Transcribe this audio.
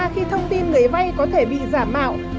khi thông tin người vay có thể bị giả mạo